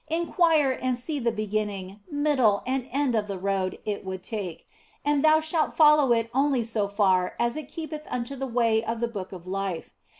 Inquire and see the be ginning, middle, and end of the road it would take, and thou shalt follow it only so far as it keepeth unto the way of the Book of Life.